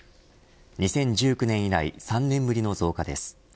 ２０１９年以来３年ぶりの増加です。